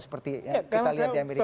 seperti kita lihat di amerika